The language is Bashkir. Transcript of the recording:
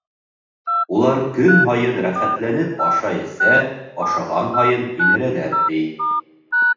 Улар көн һайын рәхәтләнеп ашай-эсә, ашаған һайын һимерәләр, ти.